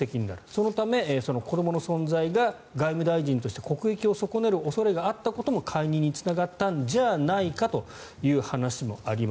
そのため子どもの存在が外務大臣として国益を損ねる恐れがあったことも解任につながったんじゃないかという話もあります。